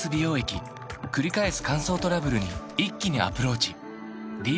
くり返す乾燥トラブルに一気にアプローチ